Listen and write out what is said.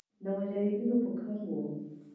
د مجاهدینو به کم وو.